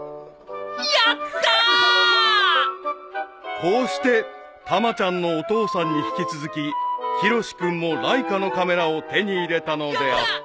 ［こうしてたまちゃんのお父さんに引き続きヒロシ君もライカのカメラを手に入れたのであった］